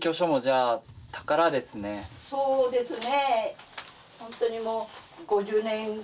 そうですね。